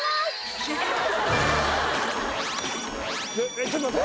えっちょっと待って。